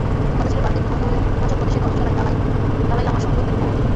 কথা ছিল ভারতের হিমাচল প্রদেশের ধর্মশালায় দালাই লামার সঙ্গেও দেখা করবেন তিনি।